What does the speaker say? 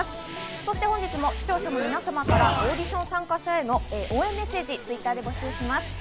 そして本日も視聴者の皆様からオーディション参加者への応援メッセージをＴｗｉｔｔｅｒで募集します。